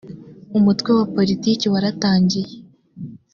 umutwe wa politiki waratangiye